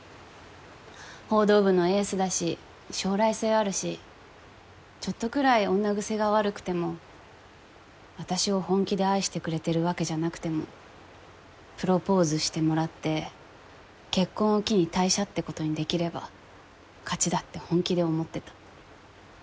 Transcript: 報道部のエースだし将来性あるしちょっとくらい女癖が悪くても私を本気で愛してくれてるわけじゃなくてもプロポーズしてもらって結婚を機に退社ってことにできれば勝ちだって本気で思ってた。